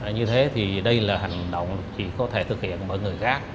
như thế thì đây là hành động chỉ có thể thực hiện bởi người khác